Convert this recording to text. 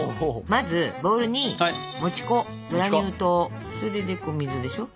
まずボウルにもち粉グラニュー糖それでお水でしょ。